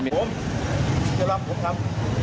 ผมจะรอของครับ